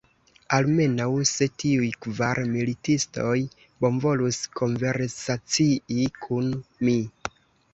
Almenaŭ, se tiuj kvar militistoj bonvolus konversacii kun mi!